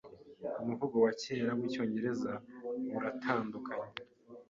Umuvugo wa kera wicyongereza uratandukanye